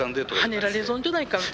はねられ損じゃないかと。